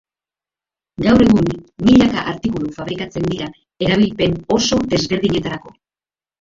Gaur egun milaka artikulu fabrikatzen dira erabilpen oso desberdinetarako.